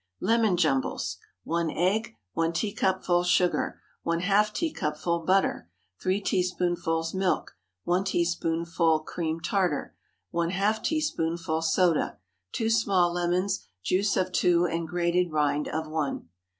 LEMON JUMBLES. 1 egg. 1 teacupful sugar. ½ teacupful butter. 3 teaspoonfuls milk. 1 teaspoonful cream tartar. ½ teaspoonful soda. 2 small lemons, juice of two and grated rind of one.